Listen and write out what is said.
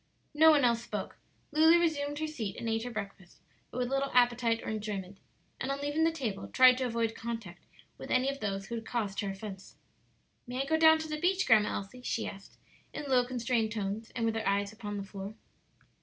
No one else spoke. Lulu resumed her seat and ate her breakfast, but with little appetite or enjoyment; and on leaving the table tried to avoid contact with any of those who had caused her offence. "May I go down to the beach, Grandma Elsie?" she asked, in low, constrained tones, and with her eyes upon the floor.